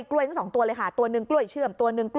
กล้วยอยู่สองตัวเลยค่ะตัวหนึ่งกล้วยเชื่อม